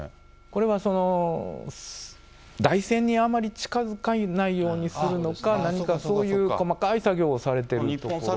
これは台船にあまり近づかないようにするのか、何かそういう細かい作業をされてると思います。